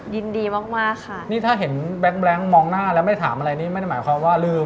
ยินดีมากมากค่ะนี่ถ้าเห็นแบงค์มองหน้าแล้วไม่ถามอะไรนี่ไม่ได้หมายความว่าลืม